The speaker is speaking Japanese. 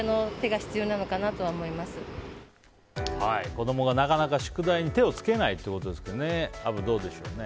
子供がなかなか宿題に手を付けないということですがアブ、どうでしょうね。